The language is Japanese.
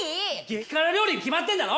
激辛料理に決まってんだろ！